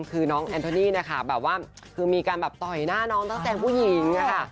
คือน้องแอนโทนี่นะคะแบบว่าคือมีการแบบต่อยหน้าน้องตั้งแต่ผู้หญิงค่ะ